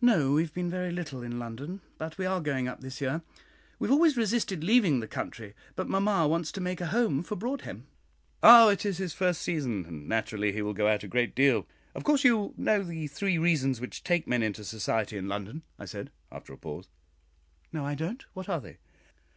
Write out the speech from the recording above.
"No; we have been very little in London, but we are going up this year. We have always resisted leaving the country, but mamma wants to make a home for Broadhem." "Ah! it is his first season, and naturally he will go out a great deal. Of course you know the three reasons which take men into society in London," I said, after a pause. "No, I don't. What are they?"